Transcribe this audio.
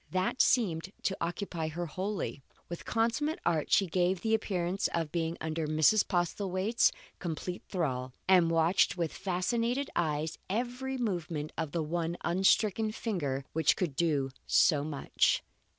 That seemed to occupy her wholly. With consummate art she gave the appearance of being under Mrs. Postlethwaite's complete thrall, and watched with fascinated eyes every movement of the one unstricken finger which could do so much.